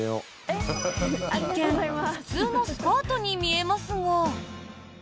一見、普通のスカートに見えますが。